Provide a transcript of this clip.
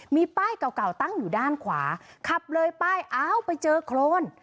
มีป้ายเก่าเก่าตั้งอยู่ด้านขวาขับเลยป้ายอ้าวไปเจอโครน